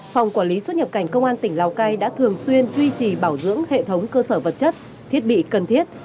phòng quản lý xuất nhập cảnh công an tỉnh lào cai đã thường xuyên duy trì bảo dưỡng hệ thống cơ sở vật chất thiết bị cần thiết